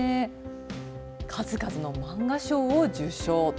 数々の漫画賞を受賞。